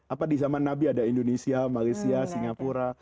apa di zaman nabi ada indonesia malaysia singapura